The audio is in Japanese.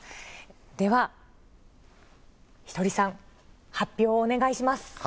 では、ひとりさん、発表をお願い